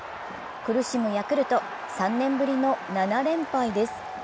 苦しむヤクルト、３年ぶりの７連敗です。